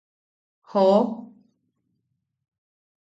¡Joo!.